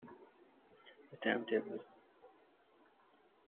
The time table.